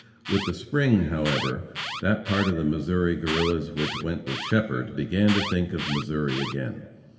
With the spring, however, that part of the Missouri Guerrillas which went with Shepherd, began to think of Missouri again.